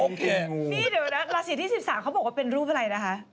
นี่เดี๋ยวนะราศีที่๑๓เขาบอกว่าเป็นรูปอะไรนะคะ